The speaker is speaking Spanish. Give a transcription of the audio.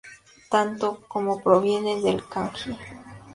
Tanto く como ク provienen del kanji 久.